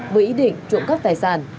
với ý định trộm cắt tài sản